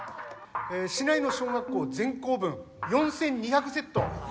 市内の小学校、全校分４２００セット